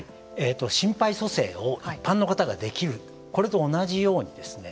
心肺蘇生を一般の方ができるこれと同じようにですね